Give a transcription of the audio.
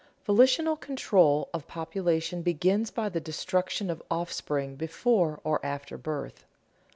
_Volitional control of population begins by the destruction of offspring before or after birth.